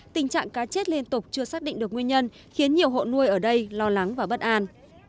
tình trạng cá chết liên tục chưa xác định được nguyên nhân khiến nhiều hộ nuôi ở đây lo lắng và bất an